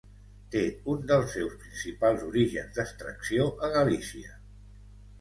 Té un dels seus principals orígens d'extracció a Galícia.